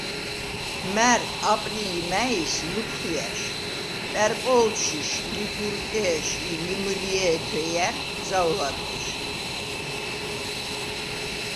მა̈რტ, აპრილ ი მა̈ის – ლუფხუ̂ჲა̈შ, პა̈რპო̄ლდშიშ, ლიგურკე̄შ ი ლიმჷრჲე̄ თუ̂ეჲა̈რ – ზაუ̂ლა̈დღიშ,